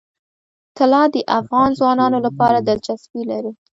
طلا د افغان ځوانانو لپاره دلچسپي لري.